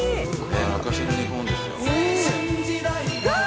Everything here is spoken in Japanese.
昔の日本ですよ。わ！